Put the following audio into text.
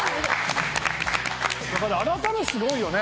あらためてすごいよね。